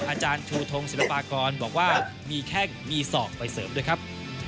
อาจารย์ชูทงศิลปากรบอกว่ามีแข้งมีศอกไปเสริมด้วยครับ